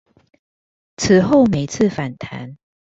此後每次反彈